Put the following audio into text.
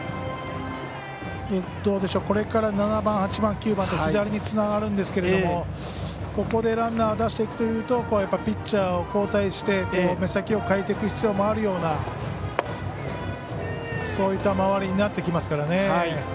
これから７番、８番、９番と左につながるんですけどもここでランナーを出していくというとやっぱりピッチャーを交代して目先を変えていく必要があるようなそういった回りになってきますからね。